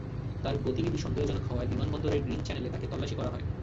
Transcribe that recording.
তাঁর গতিবিধি সন্দেহজনক হওয়ায় বিমানবন্দরের গ্রিন চ্যানেলে তাঁকে তল্লাশি করা হয়।